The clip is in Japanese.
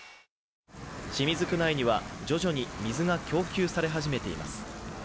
清水区内には徐々に水が供給され始めています。